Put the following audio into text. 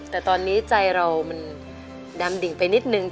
แต่ตอนนี้ใจเรามันดำดิ่งไปนิดนึง